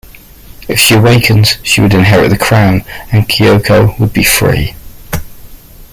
If she awakens, she would inherit the crown, and Kyoko would be free.